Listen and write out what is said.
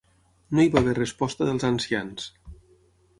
No hi va haver resposta dels ancians.